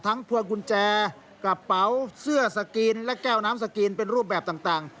พวงกุญแจกระเป๋าเสื้อสกรีนและแก้วน้ำสกรีนเป็นรูปแบบต่าง